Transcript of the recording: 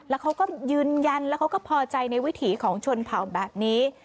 แล้วเขาก็ยืนยันแล้วเขาก็พอใจในวิถีของชนเผ่าแบบนี้